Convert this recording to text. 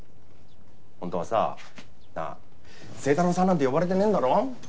本当はさなあ「星太郎さん」なんて呼ばれてねえんだろ？